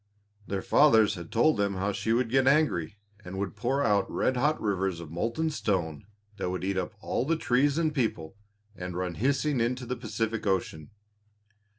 Their fathers had told them how she would get angry, and would pour out red hot rivers of molten stone that would eat up all the trees and people and run hissing into the Pacific Ocean.